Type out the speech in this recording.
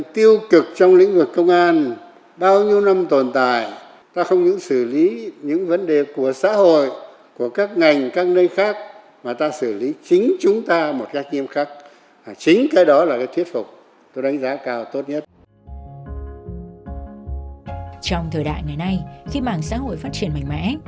trong thời đại ngày nay khi mảng xã hội phát triển mạnh mẽ